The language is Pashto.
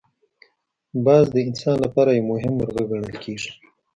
باز د انسان لپاره یو مهم مرغه ګڼل کېږي